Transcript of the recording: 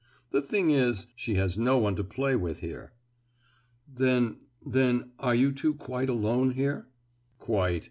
The thing is, she has no one to play with here." "Then—then—are you two quite alone here?" "Quite!